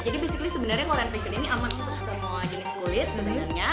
jadi basically sebenarnya korean facial ini aman untuk semua jenis kulit sebenarnya